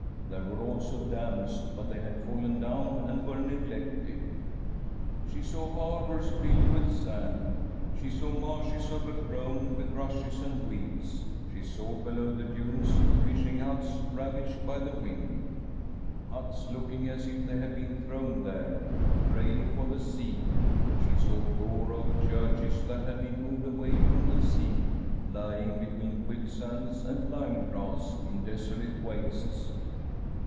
There were also dams, but they had fallen down and were neglected. She saw harbours filled with sand ; she saw t a8x 1 trtm M SWEDISH HOMESTEAD marshes overgrown with rushes and weeds ; she saw, below the dunes, fishing huts ravaged by the wind — ^huts looking as if they had been thrown there, a prey for the sea; she saw poor old churches that had been moved away from the sea, lying between quicksands and lyme grass, in desolate wastes.